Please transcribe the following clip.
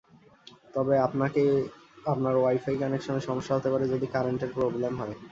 তবে আপনার ওয়াইফাই কানেকশনে সমস্যা হতে পারে, যদি কারেন্টের প্রবলেম হয়।